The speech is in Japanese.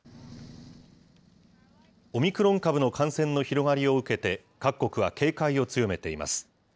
オミクロン株の感染の広がりを受けて、各国は警戒を強めています。